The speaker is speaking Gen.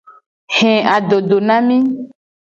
He adodo na mi.